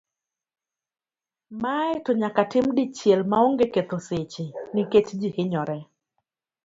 Mae to nyaka tim dichiel ma onge ketho seche nikech ji hinyore.